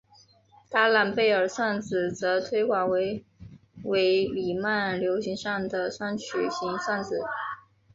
达朗贝尔算子则推广为伪黎曼流形上的双曲型算子。